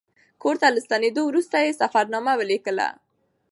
کور ته له ستنېدو وروسته یې سفرنامه ولیکله.